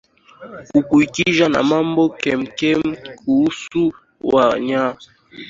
huku ikija na mambo kemkem kuhusu wanyamapori hususani wanaopatikana pia hapa nchini kwetu